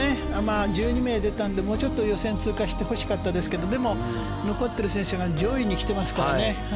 １２名出たのでもうちょっと予選を通過してほしかったですがでも、残っている選手が上位に来てますからね。